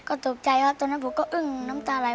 ก็ตกใจครับตอนนั้นผมก็อึ้งน้ำตาไหล